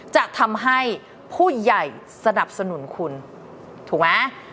จะทำให้ผู้ใหญ่สนับสนุนคุณถูกไหม